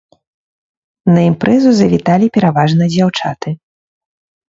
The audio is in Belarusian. На імпрэзу завіталі пераважна дзяўчаты.